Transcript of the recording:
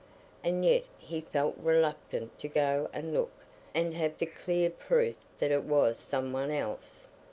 And yet he felt reluctant to go and look and have the clear proof that it was some one else.